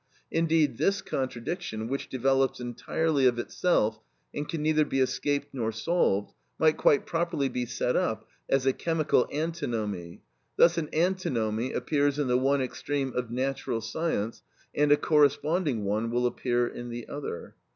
Indeed this contradiction, which develops entirely of itself and can neither be escaped nor solved, might quite properly be set up as a chemical antinomy. Thus an antinomy appears in the one extreme of natural science, and a corresponding one will appear in the other.